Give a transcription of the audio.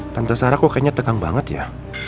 tante sarah kok kayaknya tegang banget ya